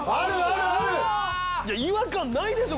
違和感ないでしょ！